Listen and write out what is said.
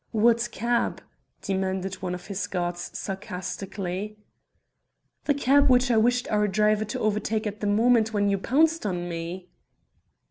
"What cab?" demanded one of his guards sarcastically. "The cab which I wished our driver to overtake at the moment when you pounced on me."